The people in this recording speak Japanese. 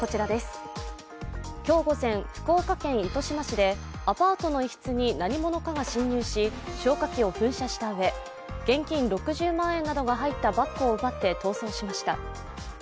今日午前、福岡県糸島市でアパートの一室に何者かが侵入し消火器を噴射したうえ現金６０万円などが入ったバッグを奪って逃走しました。